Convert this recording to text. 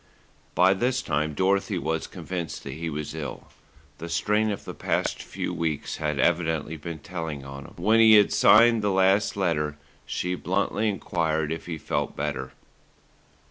By this time Dorothy was convinced that he was ill. The strain of the past few weeks had evidently been telling on him. When he had signed the last letter she bluntly enquired if he felt better.